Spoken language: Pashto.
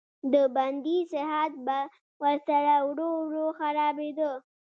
د بندي صحت به ورسره ورو ورو خرابېده.